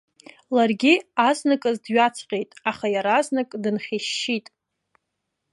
Ларгьы азныказ дҩаҵҟьеит, аха иаразнак дынхьышьшьит.